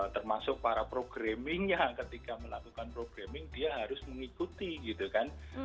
termasuk para programmingnya ketika melakukan programming dia harus mengikuti gitu kan